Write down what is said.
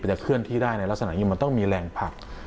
จะเคลื่อนที่ได้ในลักษณะอย่างนี้มันต้องมีแรงผลัก